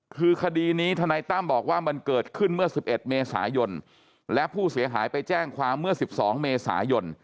คือคดีนี้ทนายตั้มบอกว่ามันเกิดขึ้นเมื่อ๑๑เมษายนและผู้เสียหายไปแจ้งความเมื่อ๑๒เมษายน